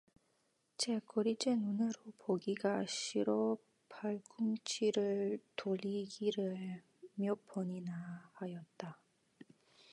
제 꼴이 제 눈으로 보기가 싫어 발꿈치를 돌리기를 몇 번이나 하였다.